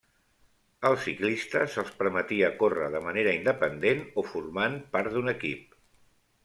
Als ciclistes se'ls permetia córrer de manera independent o formant part d'un equip.